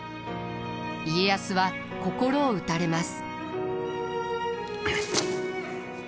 家康は心を打たれます。